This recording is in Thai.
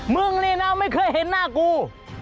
มึงนี่นะไม่เคยเห็นหน้ากู